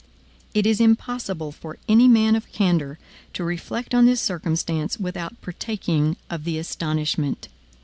It is impossible for any man of candor to reflect on this circumstance without partaking of the astonishment.